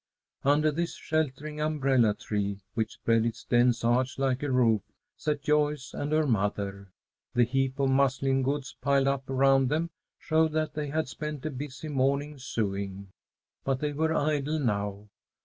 Under this sheltering umbrella tree, which spread its dense arch like a roof, sat Joyce and her mother. The heap of muslin goods piled up around them showed that they had spent a busy morning sewing. But they were idle now.